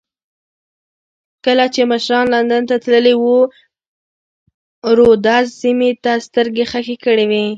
کله چې مشران لندن ته تللي وو رودز سیمې ته سترګې خښې کړې وې.